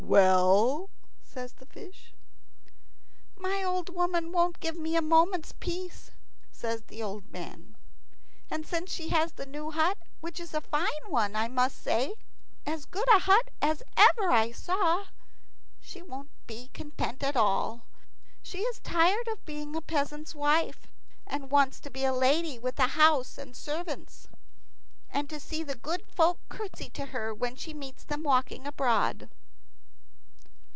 "Well?" says the fish. "My old woman won't give me a moment's peace," says the old man; "and since she has the new hut which is a fine one, I must say; as good a hut as ever I saw she won't be content at all. She is tired of being a peasant's wife, and wants to be a lady with a house and servants, and to see the good folk curtsy to her when she meets them walking abroad."